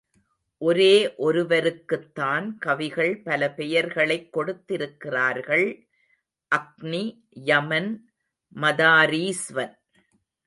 ஒரே ஒருவருக்குத் தான் கவிகள் பல பெயர்களைக் கொடுத்திருக்கிறர்கள் அக்னி, யமன், மதாரீஸ்வன்.